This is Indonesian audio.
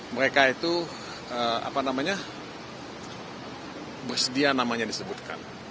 mereka itu apa namanya bersedia namanya disebutkan